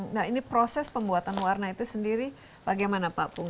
nah ini proses pembuatan warna itu sendiri bagaimana pak pung